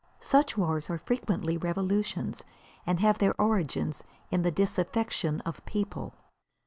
Such wars are frequently revolutions and have their origins in the disaffection of a people.